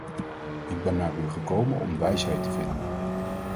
Ik ben naar u gekomen om wijsheid te vinden.